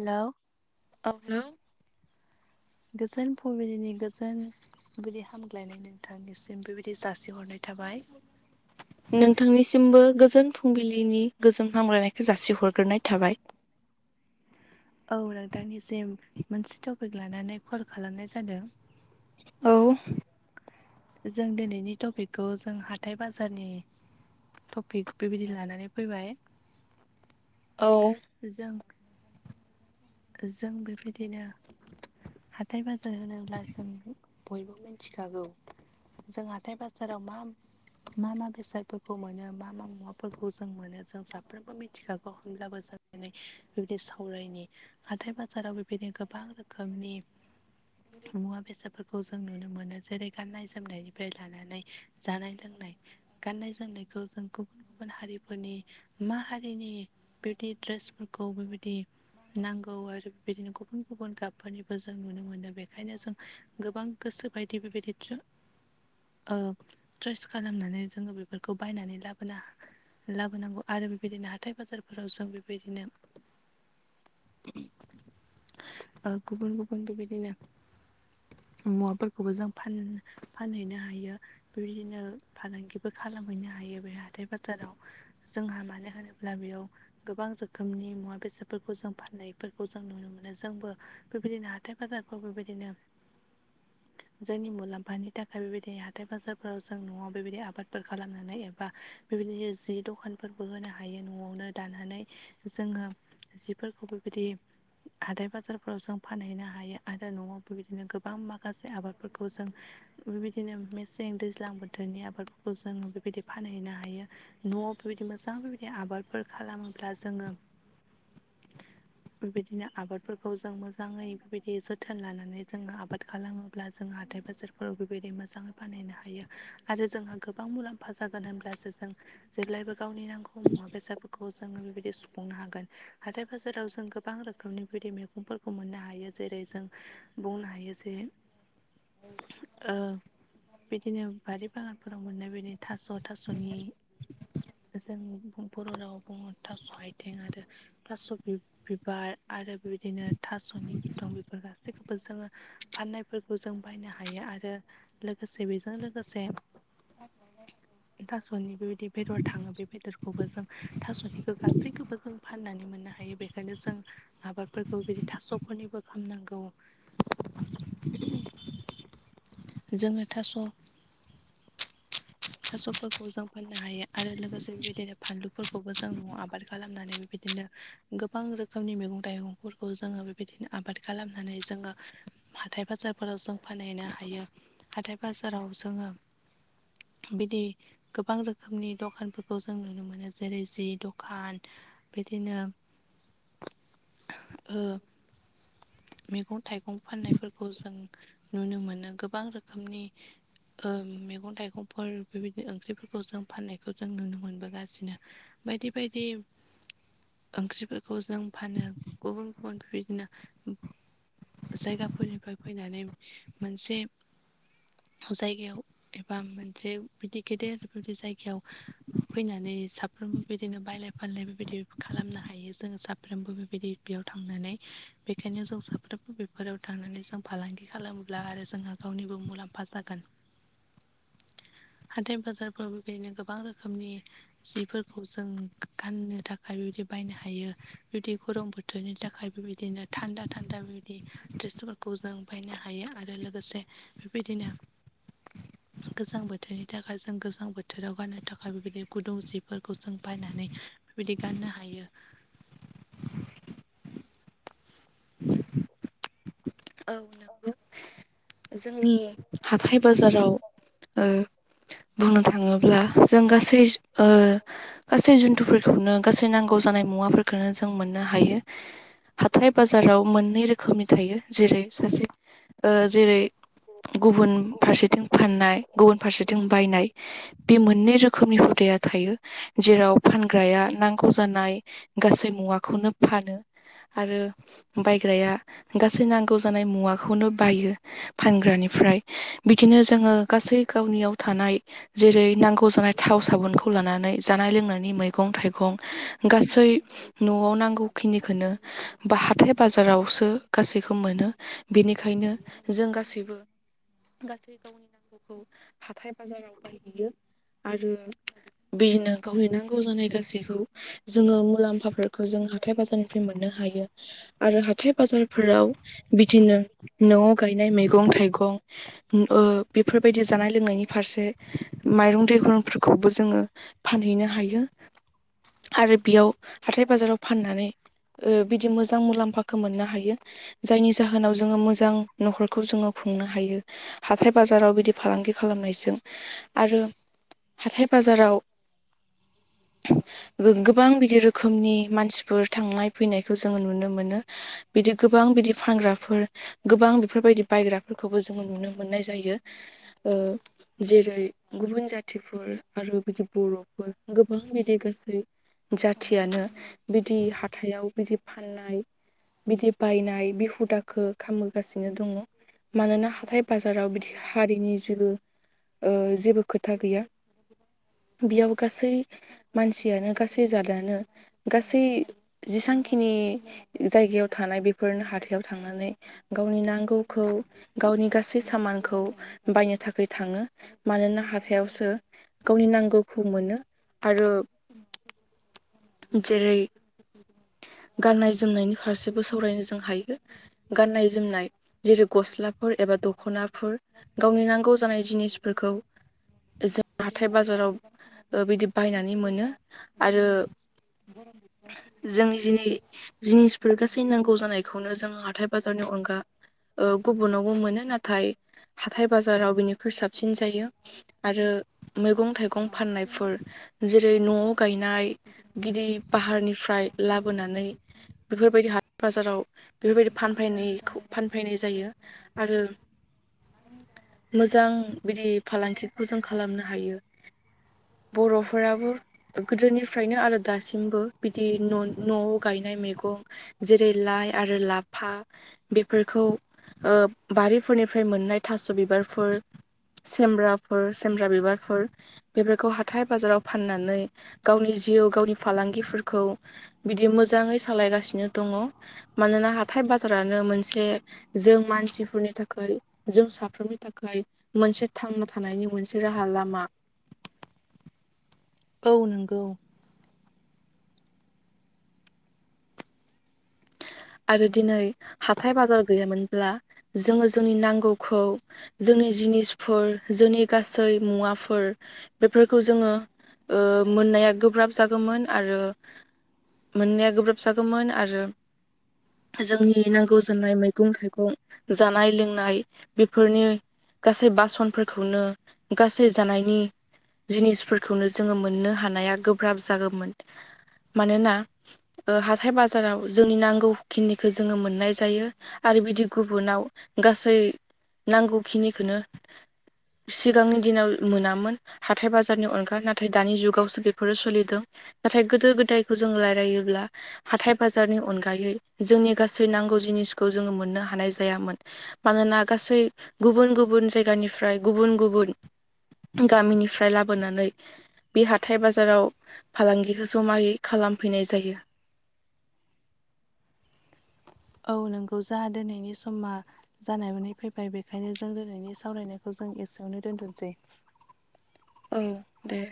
हेल' अ गोजोन फुंबिलिनि गोजोन बेबायदि हामग्लायनाय नोंथांनिसिम बेबायदि जासिहरनाय थाबाय नोंथांनिसिमबो गोजोन फुंबिलिनि गोजोन हामगलायनायखौ जासिहरग्रोनाय थाबाय औ नोंथांनिसिम मोनसे टपिक लानानै कल खालामनाय जादों औ जों दिनैनि टपिकखौ जों हाथाइ बाजारनि टपिक बेबायदि लानानै फैबाय औ जों जों बेबायदिनो हाथाय बाजार होनोब्ला जों बयबो मिथिखागौ जों हाथाय बाजाराव मा मा मा बेसादफोरखौ मोनो मा मा मुवाफोरखौ जों मोनो जों साफ्रोमबो मिथिखागौ होनब्लाबो जों बेबायदि सावरायनि हाथाय बाजाराव बेबायदिनो गोबां रोखोमनि मुवा बेसादफोरखौ जों नुनो मोनो जेरै गाननाय जोमनायनिफ्राय लानानै जानाय लोंनाय गाननाय जोमनायखौ जों गुबुन गुबुन हारिफोरनि मा हारिनि बेबादि ड्रेसफोरखौ बेबायदि नांगौ आरो बिदिनो गुबुन गुबुन गाबफोरनिबो जों नुनो मोनो बेखायनो जों गोबां गोसो बायदि बेबायदिथ ओ ट्रस खालामनानै जोङो बेफोरखौ बायनानै लाबोना लाबोनांगौ आरो बेबायदिनो हाथाय बाजारफोराव जों बेबायदिनो [inaudible] ओ गुबुन गुबुन बेबायदिनो मुवाफोरखौबो जों फान‌ फानहैनो हायो बेबायदिनो फालांगिबो खालामहैनो हायो बे हाथथाय बाजाराव जोंहा मानो होनोब्ला बेयाव गोबां रोखोमनि मुवा बेसादफोरखौ जों फाननायफोरखौ जों नुनो मोनो जोंबो बेबायदिनो हाथाय बाजारफ्र बेबायदिनो जोंनि मुलाम्फानि थाखाय बेबायदि हाथथाय बाजारफोराव जों न'आव बेबायदि आबादफोर खालामनानै एबा बेबायदिनो जि दखानफोरबो होनो हायो न'आवनो दानहनानै जोङो जिफोरखौ बेबायदि हथाइ बाजारफोराव जों फानहैनो हायो आरो न'आव बेबायदिनो गोबां माखासे आबाद फोरखौ जों बेबायदिनो मेसें दैज्लां बोथोरनि आबादफोरखौ जोङो बेबायदि फानहैनो हायो न'आव बेबायदि मोजां बेबायदि आबादफोर खालामोब्ला जोङो बेबायदिनो आबादफोरखौ जों मोजाङै बेबायदि जोथोन लानानै जोङो आबाद खालामोब्ला जों जों हाथथाय बाजारफोराव बेबायदि मोजाङै बानायहनो हायो आरो जोंहा गोबां मुलाम्फा जागोन होनब्लासो जों जेब्लायबो गावनि नांगौ मुवा बेसादफोरखौ जोङो बेबायदि सुफुंनो हागोन हाथाय बाजाराव जों गोबां रोखोम रोखोमनि बायदि मैगंफोरखौ मोननो हायो जेरै जों बुंनो हायो जे ओ बिदिनो बारि बागालफोराव मोननाय बिदि थास' थास'नि जों बर' रावाव बुङो थास' आइथिं आरो थास' बिबार आरो बेबायदिनो थास'नि बिं बेफोर गासैखौबो जोङो फाननायफोरखौ जों बायनो हायो आरो लोगोसे बेजों लोगोसे दास'नि बेबायदि बेदर थाङो बे बेदरखौबो जों थास'निखौ गासैखौबो जों फाननानै मोननो हायो बेखायनो जों आबादफोरखौ बिदि थास'फोरनिबो खालामनांगौ जोङो थास' थास'फोरखौ जों फाननो हायो आरो लोगोसे बेबायदिनो फानलुफोरखौबो जों न'आव आबाद खालामनानै बेबायदिनो गोबां रोखोमनि मैगं थाइगंफोरखौ जोङो बेबायदिनो आबाद खालामनानै जोङो हाथाय बाजारफोराव जों फानहैनो हायो हाथाय बाजाराव जोङो बिदि गोबां रोखोमनि दखानफोरखौ जों नुनो मोनो जेरै जि दखान बिदिनो ओ मैगं थाइगं फाननायफोरखौ जों नुनो मोनो गोबां रोखोमनि ओ मैगं थाइगंफोर बेबायदि ओंख्रिफोरखौ जों फाननायखौ जों नुनो मोनबोगासिनो बायदि बायदि ओंख्रिफोरखौ जों फानो गुबुन गुबुन बेबायदिनो जायगाफोरनिफ्राय फैनानै मोनसे जायगायाव एबा मोनसे बिदि गेदेरबायदि जायगायाव फैनानै साफ्रोमबो बिदिनो बायलाय फानलाय बेबायदि खालामनो हायो जोङो साफ्रोमबो बेबायदि बेयाव थांनानै बेखायनो जों साफ्रोमबो बेफोराव थांनानै जों फालांगि खालामोब्ला आरो जोंहा गावनिबो मुलाम्फा जागोन हाथाय बाजारफोराव बेबायदिनो गोबां रोखोमनि जिफोरखौ जों गाननो थाखाय बेबायदि बायनो हायो बिबायदि गरम बोथोर दनि थाखाय बेबायदिनो थान्दा थान्दा बेबायदि दस्थुखल खौ जों बायनो हायो आरो लोगोसे बेबायदिनो गोजां बोथोरनि थाखाय जों गोजां बोथोराव गाननो थाखाय बेबायदि गुदुं जिफोरखौ जों बायनानै बिदि गाननो हायो। औ नोंगौ जोंनि हाथाइ बाजाराव ओ बुंनो थाङोब्ला जों गासै ओ गासै जुन्थुफोरखौनो गासै नांगौ जानाय मुवाफोरखौनो जों मोननो हायो हाथाय बाजाराव मोननै रोखोम खोमि थायो जेरै सासे ओ जेरै गुबुन फारसेथिं फाननाय गुबुन फारसेथिं बायनाय बे मोननै रोखोमनि हुदाया थायो। जेराव फानग्राया नांगौ जानाय गासै मुवाखौनो फानो। आरो बायग्राया गासै नांगौ जानाय मुवाखौनो बायो। फानग्रानिफ्राय बिदिनो जोङो गासै गावनियाव थानाय जेरै नांगौ जानाय थाव साबोनखौ लानानै जानाय लोंनायनि मैगं थाइगं गासै न'वाव नांगौखिनिखौनो बा हाथाइ बाजारावसो गा [unintelligible] बेखो मोनो बेनिखायनो जों गासैबो गासै गावनि नांगौ गौखौ हाथाइ बाजाराव बायहैयो आरो बिदिनो गावनि नांगौ जानाय गासैखौ जोङो मुलाम्फाफोरखो जों हाथाइ बाजारनिफ्राय मोननो हायो आरो हाथाइ बाजार फोराव बिदिनो न'वाव गायनाय मैगं थाइगं उम ओ बेफोरबायदि जानाय लोंनायनि फारसे माइरं दैरंफोरखौबो जोङो फानहैनो हायो। आरो बियाव हाथाइ बाजाराव फाननानै ओ बिदि मोजां मुलाम्फाखो मोननो हायो। जायनि जाहोनाव जोङो मोजां न'खरखौ जोङो खुंनो हायो। हाथाइ बाजाराव बिदि फालांगि खालामनायजों आरो हाथाइ बाजाराव [inaudible] ओ गोबां बिदि रोखोमनि मानसिफोर थांनाय फैनायखौ जोङो नुनो मोनो बिदि गोबां बिदि फानग्राफोर गोबां बेफोरबायदि बायग्राफोरखौबो जोङो नुनो मोननाय जायो। ओ जेरै गुबुन जाथिफोर आरो बिदि बर'फोर गोबां बिदि गासै जाथियानो बिदि हाथाइयाव बिदि फाननाय बिदि बायनाय बि हुदाखो खालामबोगासिनो दङ। मानोना हाथाइ बाजाराव बिदि हारिनि जेबो ओ जेबो खोथा गैया बियाव गासै मानसियानो गासै जादानो गासै जेसांखिनि जायगायाव थानाय बे फोरनो हाथाइयाव थांनानै गावनि नांगौखौ गावनि गासै सामान खौ बायनो थाखाय थाङो मानोना हाथाइयावसो गावनि नांगौखौ मोनो आरो जेरै गाननाय जोमनायनि फारसेबो सावरायनो जों हायो गाननाय जोमनाय जेरै गस्लाफोर एबा दख'नाफोर गावनि नांगौ जानाय जिनिसफोरखौ जों हाथाइ बाजाराव ओ बिदि बायनानै मोनो। आरो जोंनि जि जिनिस फोर गासै नांगौ जानायखौनो जों हाथाइ बाजारनि अनगा ओ गुबुनावबो मोनो नाथाय हाथाइ बाजाराव बिनिख्रुइ साबसिन जायो। आरो मैगं थाइगं फाननायफोर जेरै न'वाव गायनाय गिदिर फाहारनिफ्राय लाबोनानै बेफोरबायदि हाथाइ बाजाराव बेफोरबायदि फानफैनायखौ फानफैनाय जायो आरो मोजां बिदि फालांगिखौ जों खालामनो हायो। बर'फोराबो गोदोनिफ्रायनो आरो दासिमबो बिदि न'वाव गायनाय मैगं जेरै लाइ आरो लाफा बेफोरखौ ओ बारिफोरनिफ्राय मोननाय थास' बिबारफोर सेब्राफोर सेमब्रा बिबारफोर बेफोरखौ हाथाय बाजाराव फाननानै गावनि जिउ गावनि फालांगिफोरखौ बिदि मोजाङै सालायगासिनो दङ मानोना हाथाय बाजारानो मोनसे जों मानसिफोरनि थाखाय जों साफ्रोमनि थाखाय मोनसे थांना थानायनि मोनसे राहा लामा औ नोंगौ आरो दिनै हाथाय बाजार गैयामोनब्ला जोङो जोंनि नांगौखौ जोंनि जिनिसफोर जोंनि गासै मुवाफोर बेफोरखौ जोङो मोननाया गोब्राब जागौमोन आरो मोननाया गोब्राब जागोमोन आरो जोंनि नांगौ जानाय मैगं थाइगं जानाय लोंनाय बेफोरनि गासै बासनफोरखौनो गासै जानायनि जिनिसफोरखौनो जोङो मोननो हानाया गोब्राब जागौमोन मानोना ओ हाथाय बाजाराव जोंनि नांगौ खिनिखौ जोङो मोननाय जायो आरो बिदि गुबुनाव गासै नांगौखिनिखोनो सिगांनि दिनाव मोनामोन हाथाय बाजारनि अनगा नाथाय दानि जुगावसो बेफोरो सोलिदों नाथाय गोदो गोदायखौ जों रायलायोब्ला हाथाय बाजारनि अनगायै जोंनि गासै नांगौ जिनिसखौ जोङो मोननो हानाय जायामोन मानोना गासै गुबुन गुबुन जायगानिफ्राय गुबुन गुबुन गामिनि फ्राय लाबोनानै बे हाथाय बाजाराव फालांगिखौ जमायै खालामफैनाय जायो औ नोंगौ जा दोनैनायनि समा जानायै फैबाय बेखायनो जों दिनैनि सावरायनायखौ जों एसेयावनो दोनथ'सै औ दे